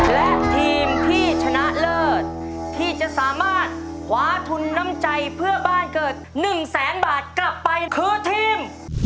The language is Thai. และทีมที่ชนะเลิศที่จะสามารถคว้าทุนน้ำใจเพื่อบ้านเกิด๑แสนบาทกลับไปคือทีม